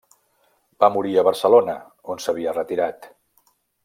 Va morir a Barcelona, on s'havia retirat.